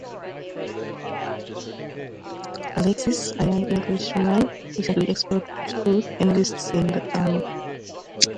Alexis, a young Englishman recently expelled from school, enlists in the army.